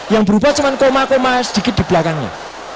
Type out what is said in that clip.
yang berubah cuma koma koma sedikit di belakangnya